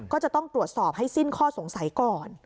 ก็จะต้องตรวจสอบให้สิ้นข้อสงสัยก่อน